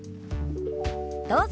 どうぞ。